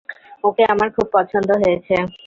ওকে আমার খুব পছন্দ হয়েছে।